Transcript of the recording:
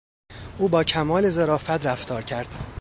او با کمال ظرافت رفتار کرد.